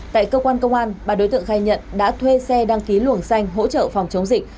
tại cơ quan công an ba đối tượng khai nhận đã thuê xe đăng ký luồng xanh hỗ trợ phòng chống dịch